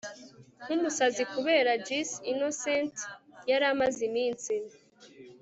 nkumusazi kubera juice innocent yaramaze iminsi